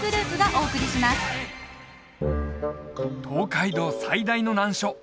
東海道最大の難所